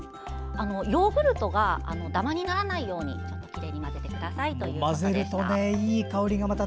ヨーグルトがダマにならないようにきれいに混ぜてくださいということでした。